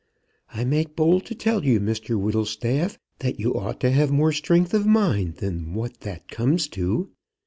I make bold to tell you, Mr Whittlestaff, that you ought to have more strength of mind than what that comes to.